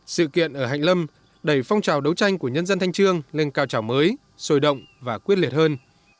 sự kiện ở hạnh lâm đẩy phong trào đấu tranh của nhân dân thanh trương lên cao trào mới sồi động và quyết liệt hơn